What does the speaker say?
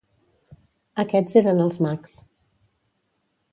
Aquests eren els mags.